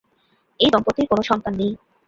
এই দম্পতির কোন সন্তান নেই।